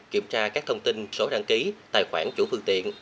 kiểm tra các thông tin số đăng ký tài khoản chủ phương tiện